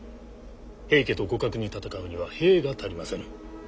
平家と互角に戦うには兵が足りませぬ。